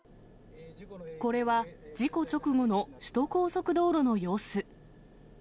これは事故直後の首都高速道路の様子。